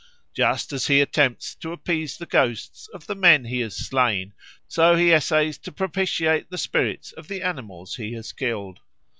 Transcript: Just as he attempts to appease the ghosts of the men he has slain, so he essays to propitiate the spirits of the animals he has killed.